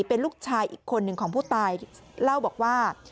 เป็นลูกชายอีกคนหนึ่งของผู้ตายเล่าบอกว่า